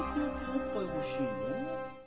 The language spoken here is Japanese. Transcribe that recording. おっぱい欲しいの？